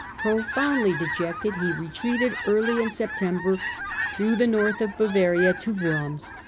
Profoundly dejected, he retreated early in Sep tember through the north of Bavaria to Worms.